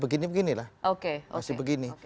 begini begini lah oke masih begini